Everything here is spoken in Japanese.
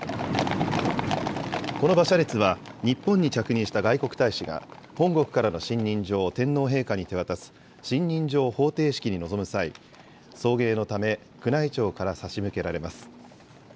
この馬車列は、日本に着任した外国大使が、本国からの信任状を天皇陛下に手渡す、信任状捧呈式に臨む際、送迎のため、宮内庁から差し向けられます。